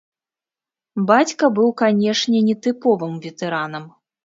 Бацька быў, канечне, нетыповым ветэранам.